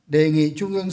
đề nghị trung ương